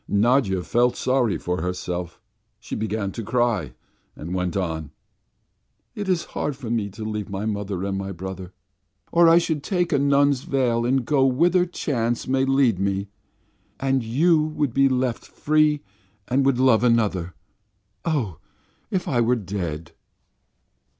Nadya felt sorry for herself, she began to cry, and went on: "It is hard for me to leave my mother and my brother, or I should take a nun's veil and go whither chance may lead me. And you would be left free and would love another. Oh, if I were dead!"